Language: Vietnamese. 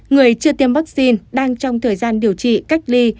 người chưa tiêm vaccine đang trong thời gian điều trị cách ly